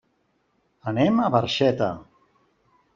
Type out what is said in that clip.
Anem a Barxeta.